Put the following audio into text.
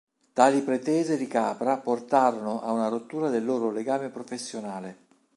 Tali pretese di Capra portarono a una rottura del loro legame professionale.